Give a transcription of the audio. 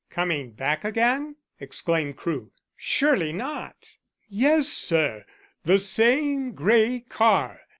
"Coming back again?" exclaimed Crewe. "Surely not." "Yes, sir; the same grey car."